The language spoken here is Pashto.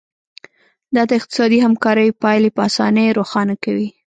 دا د اقتصادي همکاریو پایلې په اسانۍ روښانه کوي